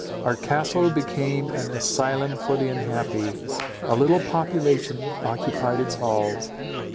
Our Castle became an asylum for the unhappy. A little population occupied its halls.